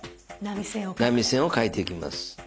波線を書いていきます。